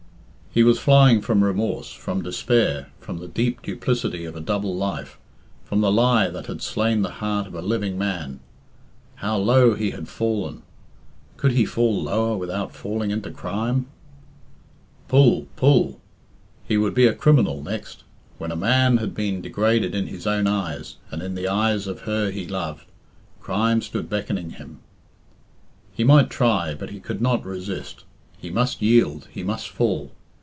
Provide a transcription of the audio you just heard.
He was flying from remorse, from despair, from the deep duplicity of a double life, from the lie that had slain the heart of a living man. How low he had fallen! Could he fall lower without falling into crime? Pull, pull! He would be a criminal next. When a man had been degraded in his own eyes, and in the eyes of her he loved, crime stood beckoning him. He might try, but he could not resist; he must yield, he must fall.